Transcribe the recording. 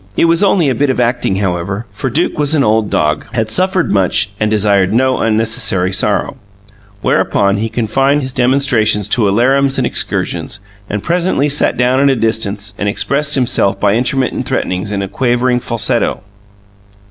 It was only a bit of acting, however, for Duke was an old dog, had suffered much, and desired no unnecessary sorrow, wherefore he confined his demonstrations to alarums and excursions, and presently sat down at a distance and expressed himself by intermittent threatenings in a quavering falsetto.